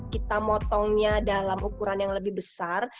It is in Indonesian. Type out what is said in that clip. kita potong daging dalam ukuran yang lebih besar